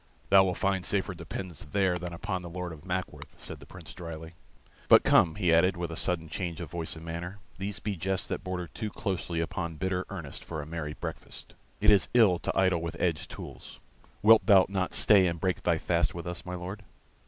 "Thou wilt find safer dependence there than upon the Lord of Mackworth," said the Prince, dryly. "But come," he added, with a sudden change of voice and manner, "these be jests that border too closely upon bitter earnest for a merry breakfast. It is ill to idle with edged tools. Wilt thou not stay and break thy fast with us, my Lord?"